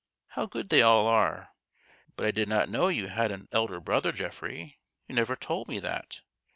" How good they all are ! but I did not know you had an elder brother, Geoffrey. You never told me that.